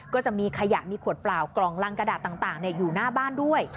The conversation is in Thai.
ก็จะมีขยะมีขวดเปล่ากล่องรังกระดาษต่างอยู่หน้าบ้านด้วย